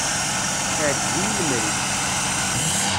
Iεǧeb-iyi lemri-k.